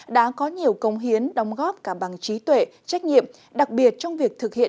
đã có nhiều công hiến đóng góp cả bằng trí tuệ trách nhiệm đặc biệt trong việc thực hiện